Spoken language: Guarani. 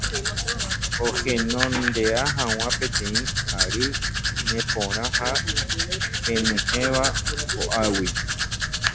ohenonde'a hag̃ua peteĩ ary neporã ha henyhẽva po'águi